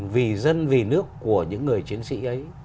vì dân vì nước của những người chiến sĩ ấy